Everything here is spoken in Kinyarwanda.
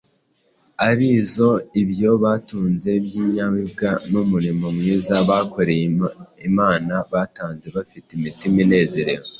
ari zo ibyo batunze by’inyamibwa n’umurimo mwiza bakoreye Imana bitanze bafite imitima inezerewe.